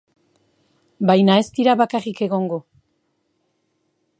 Baina ez dira bakarrik egongo.